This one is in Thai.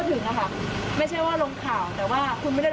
ไม่มีเจียงว่างจากโรงพยาบาล